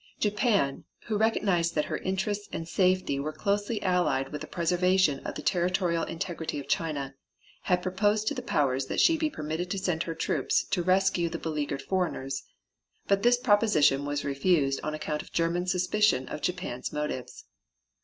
Japan, who recognized that her interests and safety were closely allied with the preservation of the territorial integrity of China, had proposed to the powers that she be permitted to send her troops to the rescue of the beleaguered foreigners, but this proposition was refused on account of German suspicion of Japan's motives.